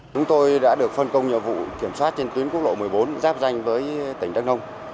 chúng tôi đã được phân công nhiệm vụ kiểm soát trên tuyến quốc lộ một mươi bốn giáp danh với tỉnh đắk nông